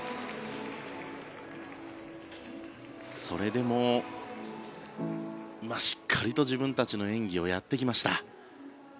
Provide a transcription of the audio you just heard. それでもしっかりと自分たちの演技をやってきました。